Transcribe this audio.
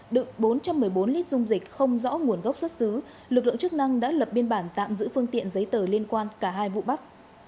đựng bốn trăm một mươi bốn lít dung dịch không rõ nguồn gốc xuất xứ lực lượng chức năng đã lập biên bản tạm giữ phương tiện giấy tờ liên quan cả hai vụ bắt